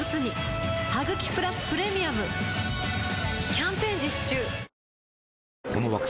キャンペーン実施中